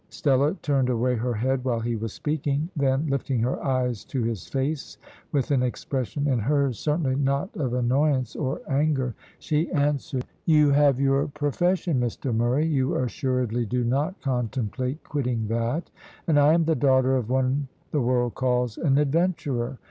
Stella turned away her head while he was speaking; then, lifting her eyes to his face with an expression in hers certainly not of annoyance or anger, she answered "You have your profession, Mr Murray. You assuredly do not contemplate quitting that, and I am the daughter of one the world calls an adventurer.